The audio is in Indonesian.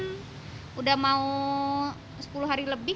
sudah mau sepuluh hari lebih